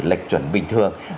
lệch chuẩn bình thường